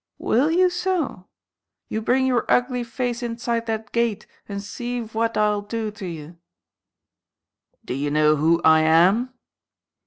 "Will you so? You bring your ugly face inside that gate and see phwat I'll do to ye!" "Do you know who I am?"